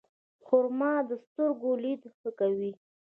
خرما د سترګو لید ښه کوي.